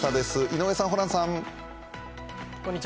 井上さん、ホランさん。